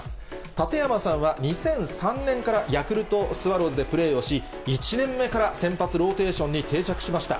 館山さんは、２００３年からヤクルトスワローズでプレーをし、１年目から先発ローテーションに定着しました。